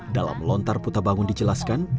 dalam lontar putabangun dijelaskan